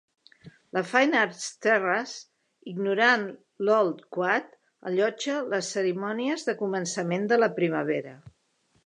La Fine Arts Terrace, ignorant l'Old Quad, allotja les cerimònies de començament de la primavera.